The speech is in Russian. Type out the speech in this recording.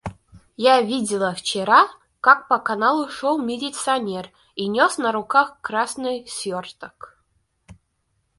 Я видела вчера, как по каналу шёл милиционер и нёс на руках красный свёрток.